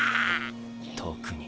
特に。